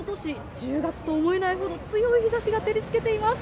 １０月と思えないほど強い日ざしが照りつけています。